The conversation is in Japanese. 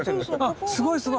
あすごいすごい！